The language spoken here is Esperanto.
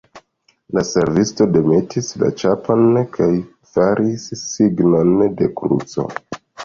La servisto demetis la ĉapon kaj faris signon de kruco.